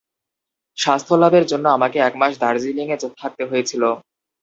স্বাস্থ্যলাভের জন্য আমাকে এক মাস দার্জিলিঙে থাকতে হয়েছিল।